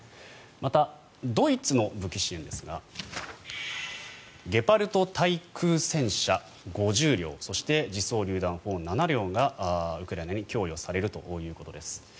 また、ドイツの武器支援ですがゲパルト対空戦車５０両そして自走りゅう弾砲７両がウクライナに供与されるということです。